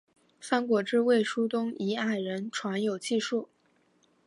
三国志魏书东夷倭人传有记述。